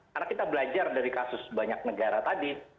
karena kita belajar dari kasus banyak negara tadi